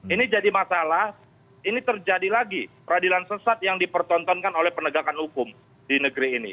ini jadi masalah ini terjadi lagi peradilan sesat yang dipertontonkan oleh penegakan hukum di negeri ini